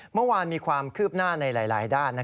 เมื่อวานมีความคืบหน้าในหลายด้าน